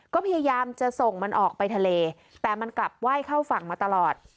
ก็พยายามจะส่งมันออกไปทะเลแต่มันกลับไหว้เข้าฝั่งมาตลอด